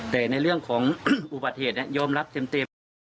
แต่ในเรื่องของอุบัติเหตุเนี้ยยอมรับเช็มเตรียม